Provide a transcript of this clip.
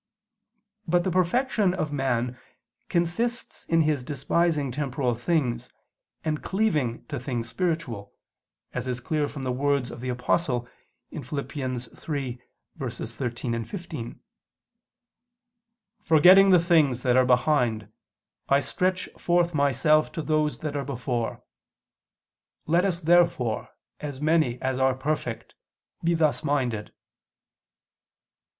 But the perfection of man consists in his despising temporal things and cleaving to things spiritual, as is clear from the words of the Apostle (Phil. 3:13, 15): "Forgetting the things that are behind, I stretch [Vulg.: 'and stretching'] forth myself to those that are before ... Let us therefore, as many as are perfect, be thus minded."